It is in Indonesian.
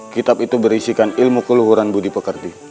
kitab itu berisikan ilmu keluhuran budi pekerti